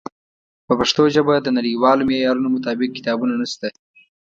په پښتو ژبه د نړیوالو معیارونو مطابق کتابونه نشته.